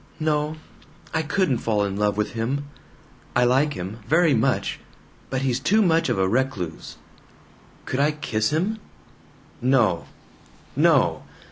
"No. I couldn't fall in love with him. I like him, very much. But he's too much of a recluse. Could I kiss him? No! No!